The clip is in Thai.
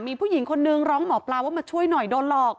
มีผู้หญิงคนนึงร้องหมอปลาว่ามาช่วยหน่อยโดนหลอก